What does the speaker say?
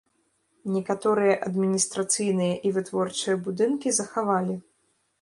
Некаторыя адміністрацыйныя і вытворчыя будынкі захавалі.